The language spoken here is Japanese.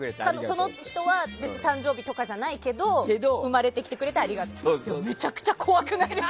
その人は誕生日とかじゃないけど生まれてきてくれてありがとうって。